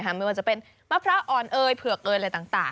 ไม่ว่าจะเป็นมะพร้าวอ่อนเอยเผือกเอยอะไรต่าง